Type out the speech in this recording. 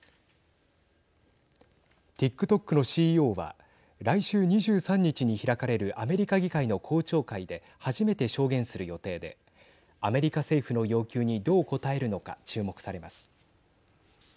ＴｉｋＴｏｋのＣＥＯは来週２３日に開かれるアメリカ議会の公聴会で初めて証言する予定でアメリカ政府の要求にどう答えるのか注目されます。